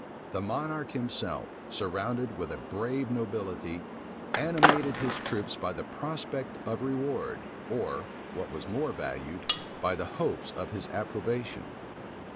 The monarch himself, surrounded with a brave nobility, animated his troops by the prospect of reward, or, what was more valued, by the hopes of his approbation.